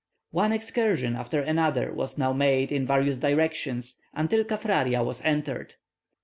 One excursion after another was now made in various directions, until Kaffraria was entered.